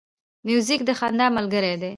موزیک د خندا ملګری دی.